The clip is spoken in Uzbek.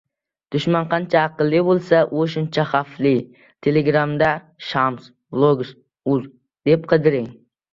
• Dushman qancha aqlli bo‘lsa, u shuncha xavfli.